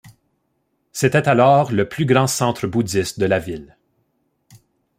C'était alors le plus grand centre bouddhiste de la ville.